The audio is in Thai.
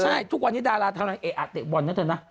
ใช่ทุกวันนี้ดารากำลังเอ๊ะอ่ะเตะบอลนะเธอนะ